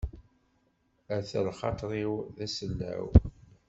Ata lxaṭer-iw d asellaw.